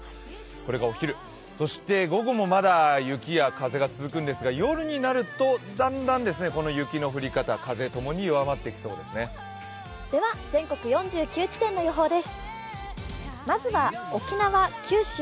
これがお昼、そして午後もまだ雪や風が続くんですが、夜になるとだんだんこの雪の降り方、風ともに弱まってきそうです。